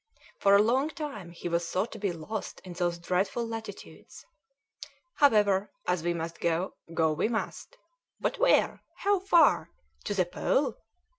For a long time he was thought to be lost in those dreadful latitudes! However, as we must go, go we must. But where? how far? To the Pole?"